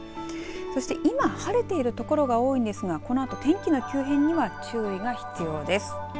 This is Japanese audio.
そして今晴れているところが多いんですがこのあと天気の急変には注意が必要です。